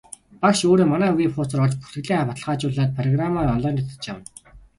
Багш өөрөө манай веб хуудсаар орж бүртгэлээ баталгаажуулаад программаа онлайнаар татаж авна.